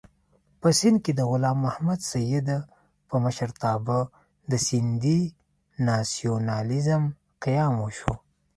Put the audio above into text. په سېند کې د غلام محمد سید په مشرتابه د سېندي ناسیونالېزم قیام وشو.